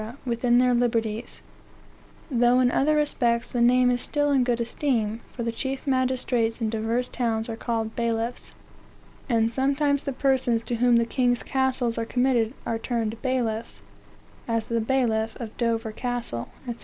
within their liberties; though, in other respects, the name is still in good esteem, for the chief magistrates in divers towns are called bailiffs; and sometimes the persons to whom the king's castles are committed are termed bailiffs, as the bailiffof Dover Castle, &c.